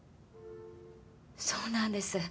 そうなんです